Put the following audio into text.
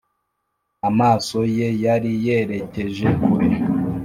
amaso ye yari yerekeje kure